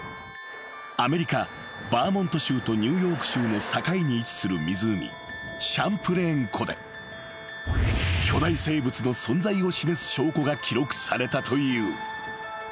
［アメリカバーモント州とニューヨーク州の境に位置する湖シャンプレーン湖で巨大生物の存在を示す証拠が記録されたという］